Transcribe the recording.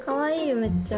めっちゃ。